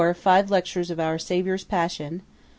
Five lectures of our Saviour's passion.